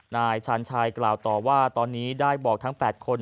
นายชาญชายกล่าวต่อว่าตอนนี้ได้บอกทั้ง๘คน